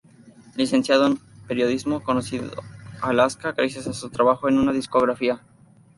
Licenciado en periodismo, conoció a Alaska gracias a su trabajo en una discográfica.